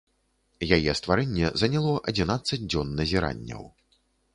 Яе стварэнне заняло адзінаццаць дзён назіранняў.